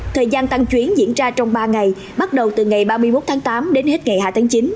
thời gian tăng chuyến diễn ra trong ba ngày bắt đầu từ ngày ba mươi một tháng tám đến hết ngày hai tháng chín